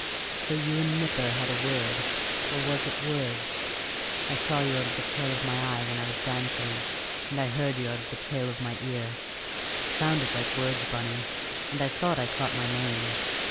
"So you and Nipper had a word or was it words? I saw you out of the tail of my eye when I was dancing, and I heard you out of the tail of my ear. It sounded like words, Bunny, and I thought I caught my name.